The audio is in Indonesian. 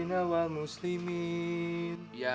itu andong sebaiknya